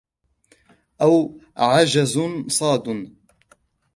أَوْ عَجْزٌ صَادٌّ